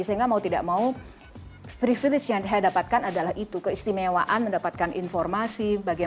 sehingga mau tidak mau privilege yang saya dapatkan adalah itu keistimewaan mendapatkan informasi